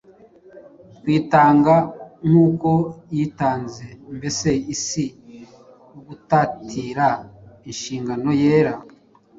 kwitanga nk’uko yitanze, mbese si ugutatira inshingano yera,